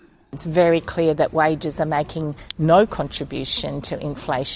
sangat jelas bahwa gaji tidak membuat kontribusi kepada inflasi